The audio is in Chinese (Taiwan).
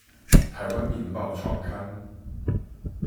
臺灣民報創刊